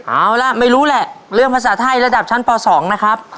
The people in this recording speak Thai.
เอาล่ะไม่รู้แหละเรื่องภาษาไทยระดับชั้นป๒นะครับ